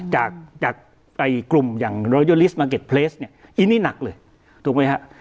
จากจากไอกลุ่มอย่างเนี้ยอันนี้หนักเลยถูกไหมฮะ